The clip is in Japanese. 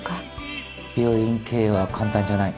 病院経営は簡単じゃない。